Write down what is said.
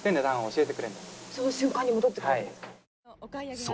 その瞬間に戻ってくるんですか？